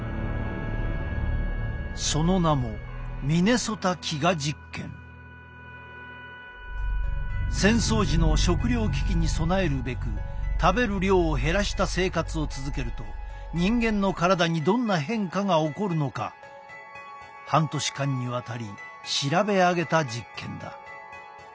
その名も戦争時の食糧危機に供えるべく食べる量を減らした生活を続けると人間の体にどんな変化が起こるのか半年間にわたり調べ上げた実験だ。